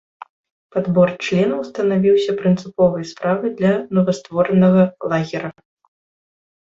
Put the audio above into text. Падбор членаў станавіўся прынцыповай справай для новастворанага лагера.